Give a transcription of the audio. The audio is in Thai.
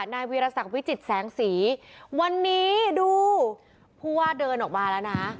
นายวีรศักดิ์วิจิตแสงสีวันนี้ดูผู้ว่าเดินออกมาแล้วนะ